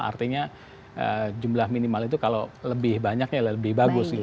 artinya jumlah minimal itu kalau lebih banyak ya lebih bagus gitu